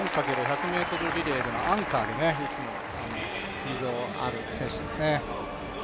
４×４００ｍリレーでのいつもアンカーでスピードある選手ですね。